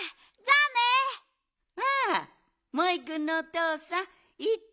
ああモイくんのおとうさんいってらっしゃい。